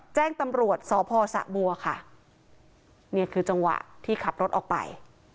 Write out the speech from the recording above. แจ้งตำรวจสพสะบัวค่ะนี่คือจังหวะที่ขับรถออกไป